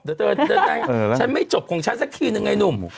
เดี๋ยวเธอฉันไม่จบของฉันสักทีนึงไอ้หนุ่ม